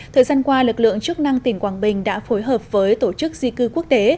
thời gian qua lực lượng chức năng tỉnh quảng bình đã phối hợp với tổ chức di cư quốc tế